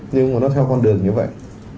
nhưng mà nó theo con đường như vậy